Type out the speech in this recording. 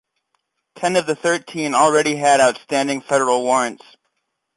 Ten of the thirteen already had outstanding federal warrants.